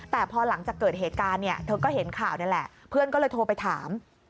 แต่พอหลังจากเกิดเหตุการณ์เนี่ยเธอก็เห็นข่าวนี่แหละเพื่อนก็เลยโทรไปถาม